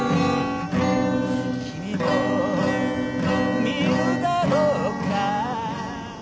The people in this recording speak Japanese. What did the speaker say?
「君もみるだろうか」